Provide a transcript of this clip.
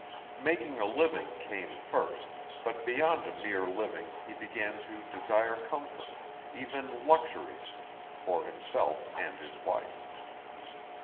Making a living came first, but beyond a mere living he began to desire comfort, even luxuries, for himself and his wife.